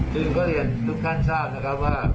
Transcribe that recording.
ซึ่งก็เรียนทุกท่านทราบนะครับว่า